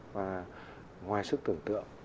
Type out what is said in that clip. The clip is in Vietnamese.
và ngoài sức tưởng tượng